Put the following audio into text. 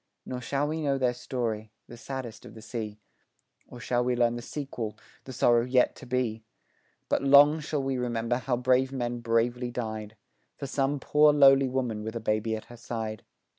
Nor shall we know their story, the saddest of the sea, Or shall we learn the sequel, the sorrow yet to be, But long shall we remember how brave men bravely died For some poor, lowly woman with a baby at her side.